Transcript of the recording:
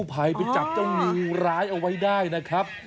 ตัวร้ายร้ายนะครับ